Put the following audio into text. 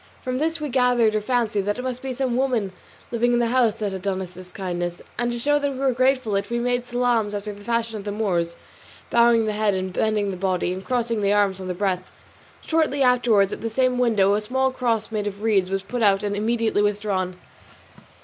From this we gathered or fancied that it must be some woman living in that house that had done us this kindness, and to show that we were grateful for it, we made salaams after the fashion of the Moors, bowing the head, bending the body, and crossing the arms on the breast. Shortly afterwards at the same window a small cross made of reeds was put out and immediately withdrawn.